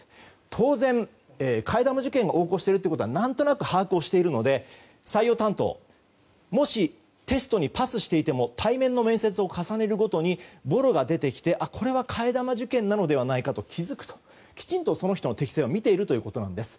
当然、替え玉受験が横行していることは何となく把握しているので採用担当もしテストにパスしていても対面の面接を重ねるごとにぼろが出てきて、これは替え玉受験なのではないかと気づくと、きちんとその人の適性を見ているということです。